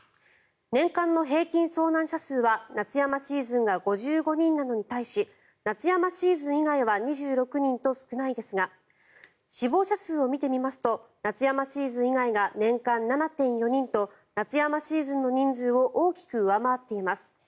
年間の平均遭難者数が夏山シーズンが５５人に対し夏山シーズン以外は２６人と少ないですが死亡者数を見てみますと夏山シーズン以外が年間７．４人と夏山シーズンの人数を大きく上回っています。